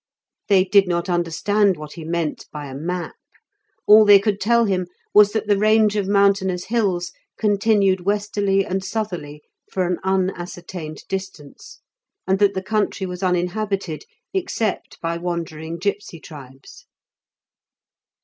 They did not understand what he meant by a map; all they could tell him was that the range of mountainous hills continued westerly and southerly for an unascertained distance, and that the country was uninhabited except by wandering gipsy tribes.